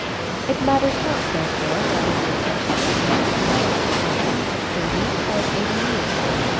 It matters not therefore whether we attempt to describe the passion at twenty, at thirty, or at eighty years.